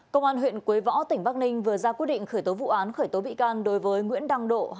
công an huyện quế võ tỉnh bắc ninh vừa ra quyết định khởi tố vụ án khởi tố bị can đối với nguyễn đăng độ